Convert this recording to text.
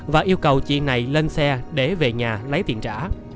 và yêu cầu chị này lên xe để về nhà lấy tiền trả